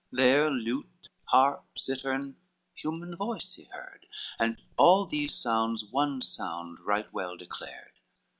There lute, harp, cittern, human voice he heard, And all these sounds one sound right well declared.